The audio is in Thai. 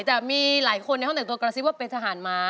แต่มีหลายคนในห้องแต่งตัวกระซิบว่าเป็นทหารม้า